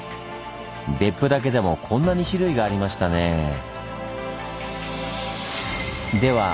別府だけでもこんなに種類がありましたねぇ。